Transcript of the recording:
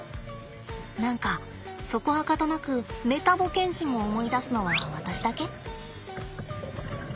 何かそこはかとなくメタボ検診を思い出すのは私だけ？